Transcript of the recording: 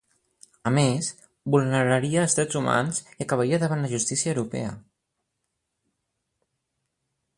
A més, vulneraria els drets humans i acabaria davant la justícia europea.